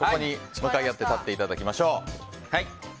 向かい合って立っていただきましょう。